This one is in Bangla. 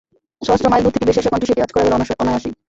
সহস্র মাইল দূর থেকে ভেসে আসা কণ্ঠে সেটি আঁচ করা গেল অনায়াসেই।